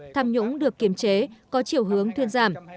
tham nhũng được kiềm chế có chiều hướng thuyên giảm